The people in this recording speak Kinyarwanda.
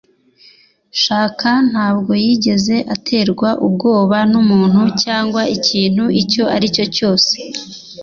Shaka ntabwo yigeze aterwa ubwoba numuntu cyangwa ikintu icyo aricyo cyose.